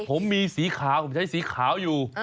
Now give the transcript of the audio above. ผมมีสีขาวผมใช้สีขาวอยู่